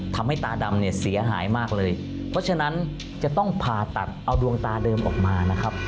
ตาดำเนี่ยเสียหายมากเลยเพราะฉะนั้นจะต้องผ่าตัดเอาดวงตาเดิมออกมานะครับ